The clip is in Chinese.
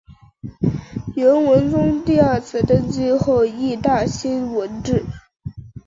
元文宗第二次登基后亦大兴文治。